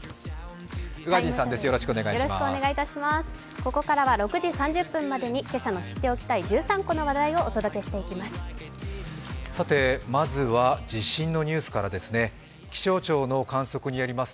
ここからは６時３０分までに今朝の知っておきたい１３個の話題をお届けしてまいります。